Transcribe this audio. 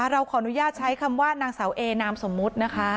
เราขออนุญาตใช้คำว่านางสาวเอนามสมมุตินะคะ